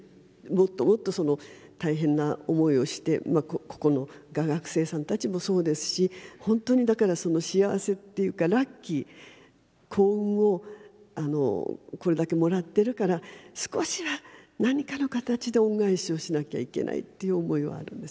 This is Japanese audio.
もっともっとその大変な思いをしてここの画学生さんたちもそうですし本当にだからその幸せっていうかラッキー幸運をこれだけもらってるから少しは何かの形で恩返しをしなきゃいけないっていう思いはあるんですね。